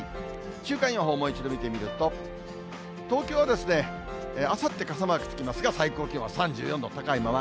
週間予報、もう一度見てみると、東京はあさって傘マークつきますが、最高気温は３４度、高いまま。